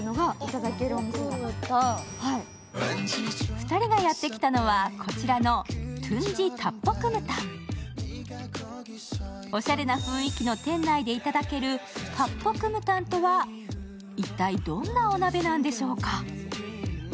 ２人がやってきたのはこちらのトゥンジ・タッポクムタンおしゃれな雰囲気の店内でいただけるタッポクムタンとは、一体どんなお鍋なんでしょうか。